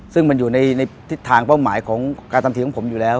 ซึ่งมันอยู่ในทิศทางเป้าหมายของการทำทีมของผมอยู่แล้ว